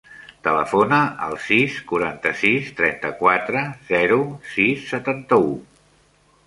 Telefona al sis, quaranta-sis, trenta-quatre, zero, sis, setanta-u.